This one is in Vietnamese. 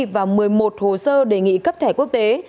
và một mươi một hồ sơ đề nghị cấp thẻ quốc tế